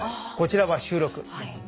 こちらは収録。